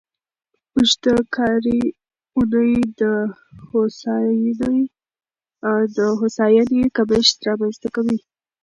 اوږده کاري اونۍ د هوساینې کمښت رامنځته کوي.